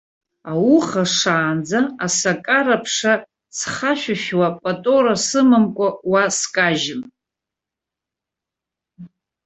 Ауха шаанӡа, асакара ԥша схашәышәуа, патора сымамкәа уа скажьын.